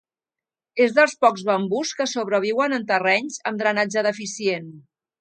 És dels pocs bambús que sobreviuen en terrenys amb drenatge deficient.